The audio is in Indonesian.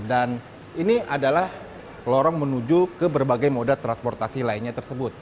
dan ini adalah lorong menuju ke berbagai moda transportasi lainnya tersebut